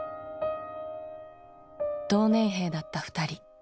同年兵だった２人。